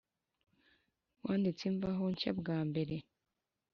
Wanditse imvaho nshya bwa mbere